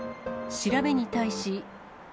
調べに対し。